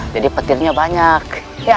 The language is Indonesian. jadi petirnya banyak